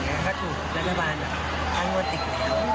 แล้วก็ถูกรัฐบาลค้างวดติดแล้ว